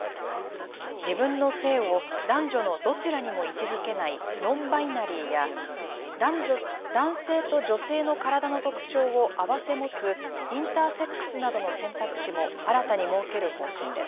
自分の性を男女のどちらにも位置づけないノンバイナリーや、男性と女性の体の特徴を合わせ持つインターセックスなどの選択肢も新たに設ける方針です。